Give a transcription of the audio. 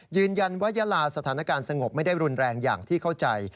ยืนยันว่ายาลาสถานการณ์สงบไม่ได้รุนแรงอย่างที่เข้าใจ